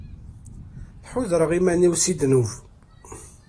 Ḥudreɣ iman-iw si ddnub.